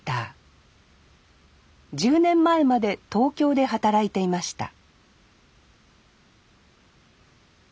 １０年前まで東京で働いていました